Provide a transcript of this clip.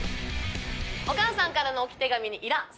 お母さんからの置き手紙にイラッ！